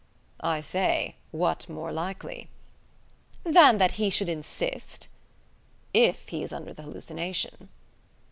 "I say, what more likely?" "Than that he should insist?" "If he is under the hallucination!"